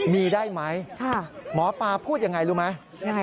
มีได้ไหมหมอปลาพูดยังไงรู้ไหม